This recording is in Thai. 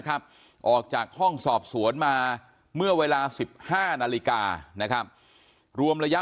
ออกจากห้องสอบสวนมาเมื่อเวลา๑๕นาฬิกานะครับรวมระยะ